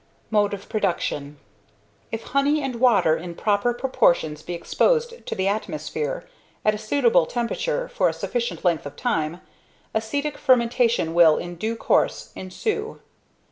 MODE OF PRODUCTION. If honey and water in proper proportions be exposed to the atmosphere, at a suitable temperature, for a sufficient length of time, acetic fermentation will in due course ensue.